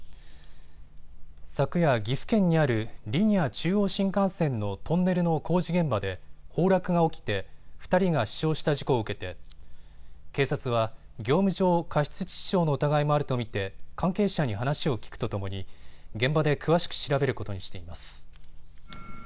昨夜、岐阜県にあるリニア中央新幹線のトンネルの工事現場で崩落が起きて２人が死傷した事故を受けて警察は業務上過失致死傷の疑いもあると見て関係者に話を聞くとともに現場で詳しく調べることにしています。